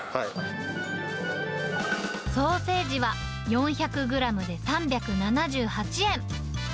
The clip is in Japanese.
ソーセージは、４００グラムで３７８円。